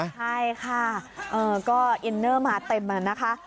ใช่ค่ะก็อินเนอร์มาเต็มนะคะ